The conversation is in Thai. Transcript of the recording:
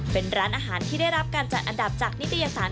เป็นร้านอาหารที่ได้รับการจัดอันดับจากนิตยสาร